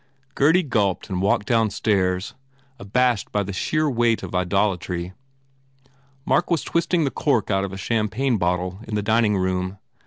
Gurdy gulped and walked downstairs, abashed by the sheer weight of idolatry. Mark was twisting the cork out of a cham pagne bottle in the dining room.